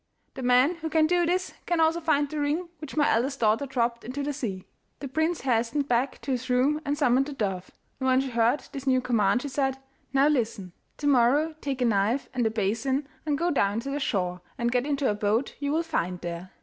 The man who can do this can also find the ring which my eldest daughter dropped into the sea.' The prince hastened back to his room and summoned the dove, and when she heard this new command she said: 'Now listen. To morrow take a knife and a basin and go down to the shore and get into a boat you will find there.